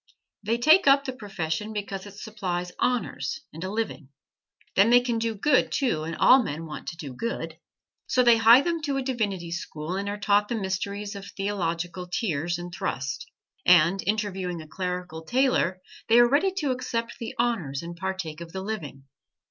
They take up the profession because it supplies honors and a "living." Then they can do good, too, and all men want to do good. So they hie them to a divinity school and are taught the mysteries of theological tierce and thrust; and interviewing a clerical tailor they are ready to accept the honors and partake of the living.